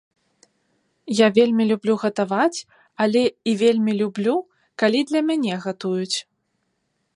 Я вельмі люблю гатаваць, але і вельмі люблю, калі для мяне гатуюць.